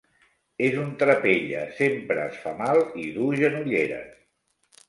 És un trapella: sempre es fa mal i duu genolleres.